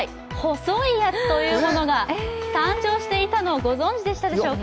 細いやつというのが誕生していたのをご存じでしたでしょうか。